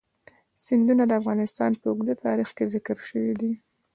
سیندونه د افغانستان په اوږده تاریخ کې ذکر شوی دی.